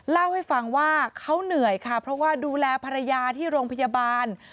เล่าให้ฟังว่าเขาเหนื่อยค่ะเพราะว่าดูแลภรรยาที่โรงพยาบาล